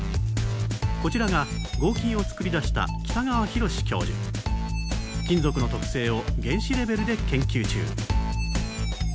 こちらが合金を作り出した金属の特性を原子レベルで研究中。